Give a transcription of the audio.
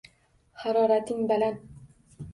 Harorating baland.